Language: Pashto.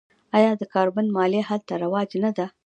آیا د کاربن مالیه هلته رواج نه ده؟